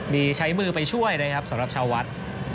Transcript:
มีใช้มือไปช่วยนักฐานสำหรับเฉาวัด